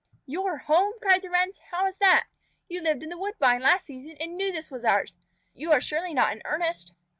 "Your home?" cried the Wrens. "How is that? You lived in the woodbine last season and knew that this was ours. You are surely not in earnest."